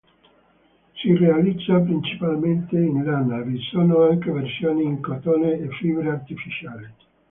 Si realizza principalmente in lana, vi sono anche versioni in cotone e fibre artificiali.